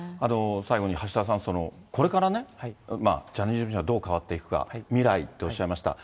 最後に橋田さん、これからね、ジャニーズ事務所がどう変わっていくか、未来っておっしゃいました。